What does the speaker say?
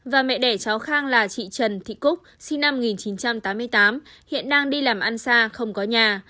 và mẹ đẻ cháu khang là chị trần thị cúc sinh năm một nghìn chín trăm tám mươi tám hiện đang đi làm ăn xa không có nhà